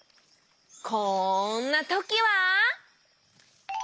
こんなときは。